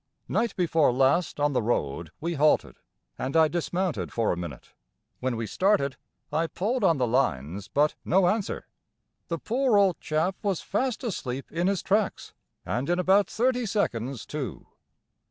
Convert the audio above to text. Night before last on the road we halted, and I dismounted for a minute. When we started I pulled on the lines but no answer. The poor old chap was fast asleep in his tracks, and in about thirty seconds too.